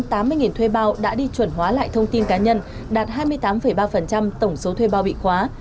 tổng số thuê bao đã đi chuẩn hóa lại thông tin cá nhân đạt hai mươi tám ba tổng số thuê bao bị khóa